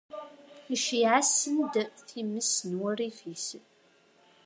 Iceyyeɛ-asen-d times n wurrif-is.